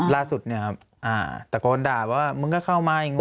ล่าสุดเนี่ยครับตะโกนด่าว่ามึงก็เข้ามาอย่างงู